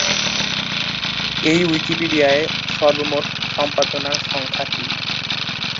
এই উইকিপিডিয়ায় সর্বমোট সম্পাদনার সংখ্যা টি।